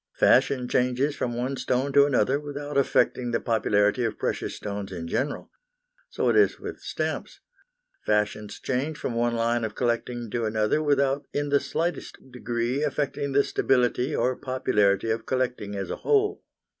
Fashion changes from one stone to another without affecting the popularity of precious stones in general. So it is with stamps. Fashions change from one line of collecting to another without in the slightest degree affecting the stability or popularity of collecting as a whole.